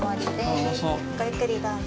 ごゆっくりどうぞ。